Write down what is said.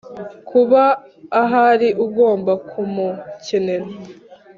kuba ahari ugomba kumukenera.